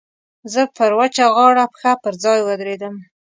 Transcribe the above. زه پر وچه غاړه پښه پر ځای ودرېدم.